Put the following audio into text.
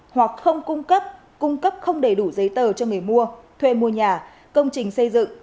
hoặc không cung cấp cung cấp không đầy đủ giấy tờ cho người mua thuê mua nhà công trình xây dựng